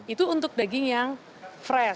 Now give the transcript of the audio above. itu untuk daging yang fresh